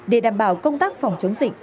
để đảm bảo công tác phòng chống dịch